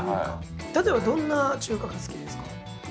例えばどんな中華が好きですか？